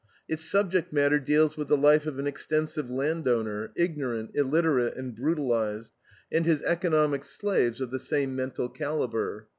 Its subject matter deals with the life of an extensive landowner, ignorant, illiterate, and brutalized, and his economic slaves of the same mental calibre.